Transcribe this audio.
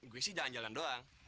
gue sih jalan jalan doang